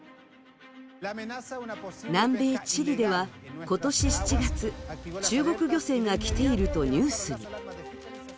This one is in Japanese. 南米チリでは今年７月、中国漁船が来ているとニュースに。